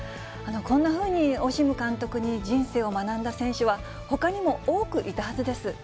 こんなふうにオシム監督に人生を学んだ選手は、ほかにも多くいたはずです。